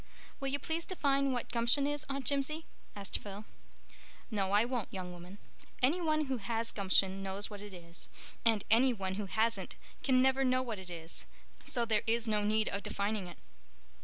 "Will you please define what gumption is, Aunt Jimsie?" asked Phil. "No, I won't, young woman. Any one who has gumption knows what it is, and any one who hasn't can never know what it is. So there is no need of defining it."